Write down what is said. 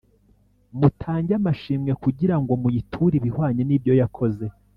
Mutange amashimwe kugira ngo muyiture ibihwanye nibyo yakoze